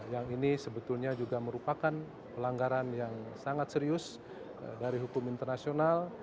yang ini sebetulnya juga merupakan pelanggaran yang sangat serius dari hukum internasional